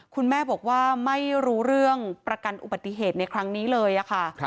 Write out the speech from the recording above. คุณแม่บอกว่าไม่รู้เรื่องประกันอุบัติเหตุในครั้งนี้เลยค่ะ